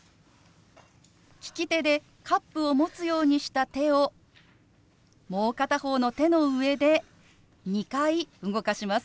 利き手でカップを持つようにした手をもう片方の手の上で２回動かします。